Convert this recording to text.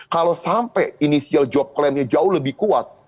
kalau sampai initial job claim nya jauh lebih kuat